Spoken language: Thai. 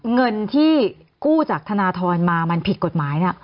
เงินที่กู้จากธนทรมามันผิดกฎหมาย